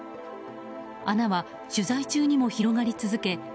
穴は取材中にも広がり続け